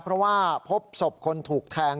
เพราะว่าพบศพคนถูกแทง